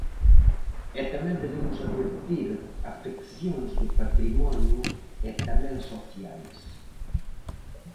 E tamén debemos advertir afeccións do patrimonio e tamén sociais.